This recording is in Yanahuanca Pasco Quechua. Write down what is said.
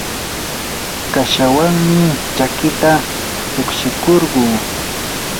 kashawanmi chakita tukshikurquu.